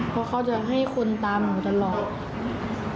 เพราะเขาจะให้คนตามหนูตลอด